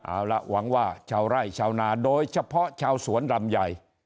เอาล่ะหวังว่าชาวไร่ชาวนาโดยเฉพาะชาวสวนรำใหญ่